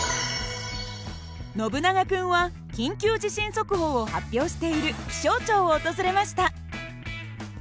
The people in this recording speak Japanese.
ノブナガ君は緊急地震速報を発表している気象庁を訪れました。